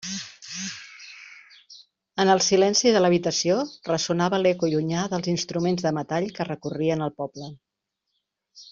En el silenci de l'habitació ressonava l'eco llunyà dels instruments de metall que recorrien el poble.